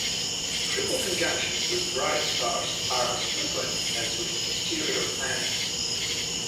Triple conjunctions with bright stars are as frequent as with exterior planets.